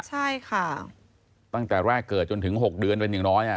ใช่ค่ะตั้งแต่แรกเกิดจนถึง๖เดือนเป็นอย่างน้อย